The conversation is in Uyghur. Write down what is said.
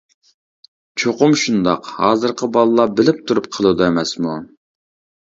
چوقۇم شۇنداق ھازىرقى بالىلار بىلىپ تۇرۇپ قىلىدۇ ئەمەسمۇ.